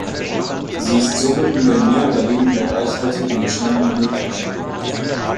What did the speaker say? Sie ist somit nur in mehr oder weniger gleichaltrigen Beständen möglich.